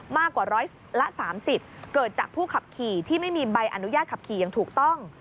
มากกว่าร้อยละ๓๐เกิดจากผู้ขับขี่ที่ไม่มีใบอนุญาตขับขี่อย่างถูกต้อง